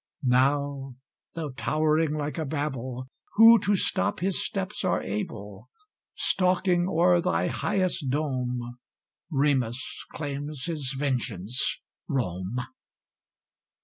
Now, though towering like a Babel, Who to stop his steps are able? Stalking o'er thy highest dome, Remus claims his vengeance, Rome!